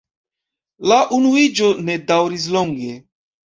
La unuiĝo ne daŭris longe.